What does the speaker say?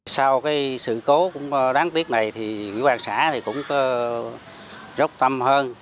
sau sự cố đáng tiếc này thì ủy ban xã cũng rốc tâm hơn